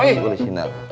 allahu akbar allahu akbar